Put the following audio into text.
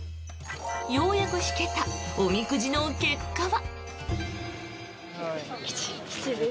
ようやく引けたおみくじの結果は。